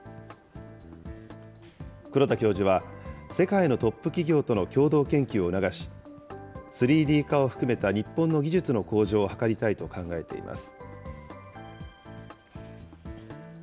黒田教授は、世界のトップ企業との共同研究を促し、３Ｄ化を含めた日本の技術の向上を図りたいと考えています。